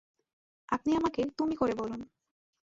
আপনি আমাকে তুমি করে বলুন।